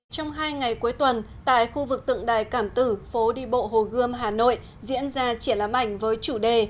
trong hai ngày cuối tuần tại khu vực tượng đài cảm tử phố đi bộ hồ gươm hà nội diễn ra triển lãm ảnh với chủ đề